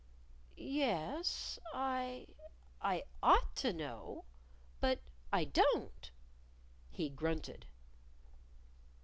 "Yes, I I ought to know. But I don't." He grunted.